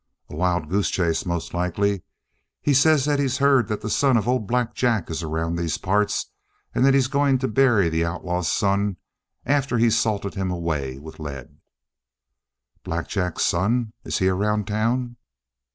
"A wild goose chase, most likely. He says he's heard that the son of old Black Jack is around these parts, and that he's going to bury the outlaw's son after he's salted him away with lead." "Black Jack's son! Is he around town?"